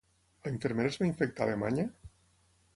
La infermera es va infectar a Alemanya?